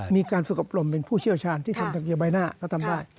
มีการฝึกอบรมเป็นผู้เชี่ยวชาญที่ทำเกียร์ใบหน้าก็ทำได้